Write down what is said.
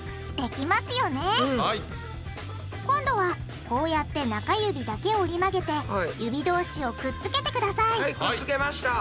今度はこうやって中指だけ折り曲げて指同士をくっつけてくださいはいくつけました。